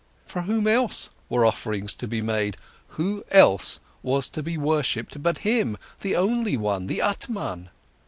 For whom else were offerings to be made, who else was to be worshipped but Him, the only one, the Atman?